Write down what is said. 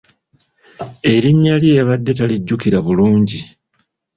Erinnya lye yabadde talijjukira bulungi.